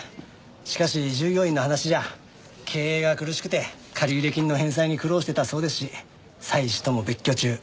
しかし従業員の話じゃ経営が苦しくて借入金の返済に苦労してたそうですし妻子とも別居中。